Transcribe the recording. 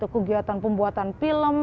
kegiatan pembuatan film